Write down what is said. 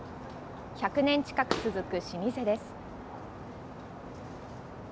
１００年近く続く老舗です。